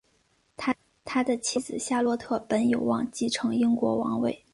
他的妻子夏洛特本有望继承英国王位。